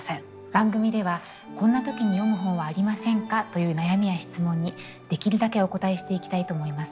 番組では「こんな時に読む本はありませんか？」という悩みや質問にできるだけお応えしていきたいと思います。